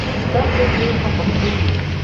زدهکړې دې په پښتو وي.